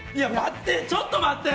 ちょっと待って！